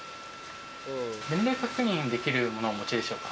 年齢確認できるものをお持ちでしょうか？